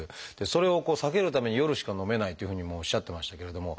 それを避けるために夜しかのめないというふうにもおっしゃってましたけれども。